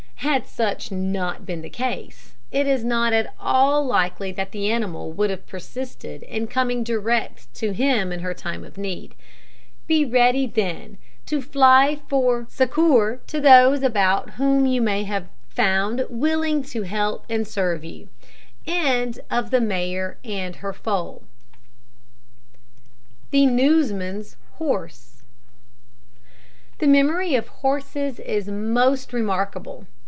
Had such not been the case, it is not at all likely that the animal would have persisted in coming direct to him in her time of need. Be ready, then, to fly for succour to those about you whom you may have found willing to help and serve you. THE NEWSMAN'S HORSE. The memory of horses is most remarkable.